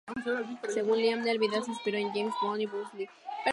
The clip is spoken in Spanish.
Según Liam el video se inspiró en James Bond y Bruce Lee.